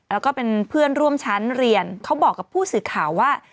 แล้วก็เป็นเพื่อนร่วมชั้นเรียนเขาบอกกับผู้สื่อข่าวว่า